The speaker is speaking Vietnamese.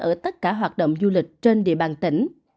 ở tất cả hoạt động du lịch trên địa bàn tỉnh